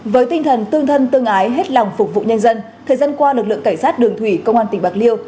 với tinh thần tương thân tương ái hết lòng phục vụ nhân dân thời gian qua lực lượng cảnh sát đường thủy công an tỉnh bạc liêu